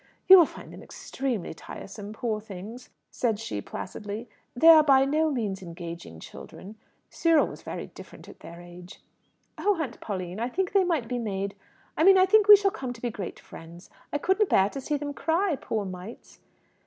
"You will find them extremely tiresome, poor things!" said she placidly. "They are by no means engaging children. Cyril was very different at their age." "Oh, Aunt Pauline! I think they might be made I mean I think we shall come to be great friends. I couldn't bear to see them cry, poor mites!"